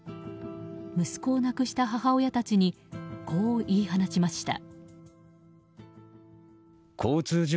息子を亡くした母親たちにこう言い放ちました。